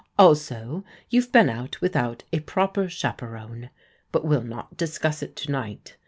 Also, you've been out without a proper chaperon. But we'll not dis cuss it to night.